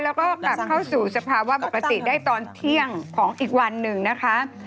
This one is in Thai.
แล้วก็กลับเข้าสู่สภาวะปกติได้ตอนเที่ยงของอีกวันหนึ่งนะคะ